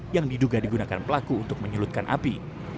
yang diduga digunakan pelaku untuk menyulutkan api